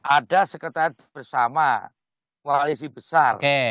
ada sekretariat bersama koalisi besar